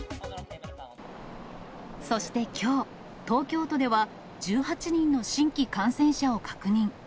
そしてきょう、東京都では１８人の新規感染者を確認。